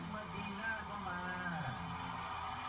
ข้อมูลเข้ามาดูครับ